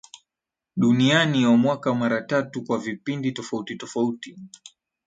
Duniani wa mwaka mara tatu kwa vipindi tofauti tofauti